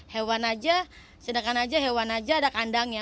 hewan aja sedangkan aja hewan aja ada kandangnya